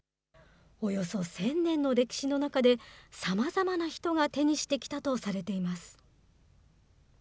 およそ１０００年の歴史の中で、さまざまな人が手にしてきたとされています。